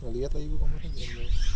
lihatlah ibu kamu lihat